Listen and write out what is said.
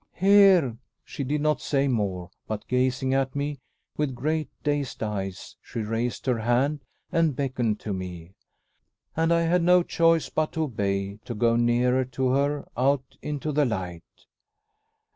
"Here!" She did not say more, but gazing at me with great dazed eyes, she raised her hand, and beckoned to me. And I had no choice but to obey to go nearer to her, out into the light.